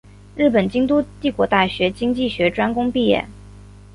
日本京都帝国大学经济学专攻毕业。